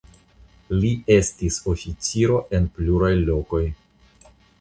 Li estis oficiro en pluraj lokoj.